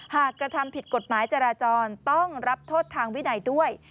กระทำผิดกฎหมายจราจรต้องรับโทษทางวินัยด้วย